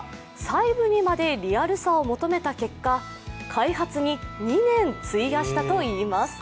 細部にまでリアルさを求めた結果、開発に２年費やしたといいます。